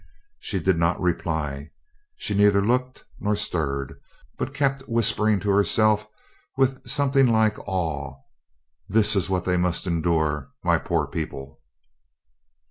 She did not reply; she neither looked nor stirred, but kept whispering to herself with something like awe: "This is what they must endure my poor people!"